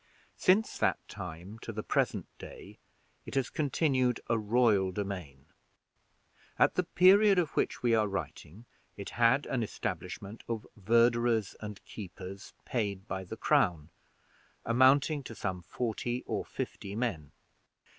Since that time to the present day it has continued a royal domain. At the period of which we are writing, it had an establishment of verderers and keepers, paid by the crown, amounting to some forty or fifty men.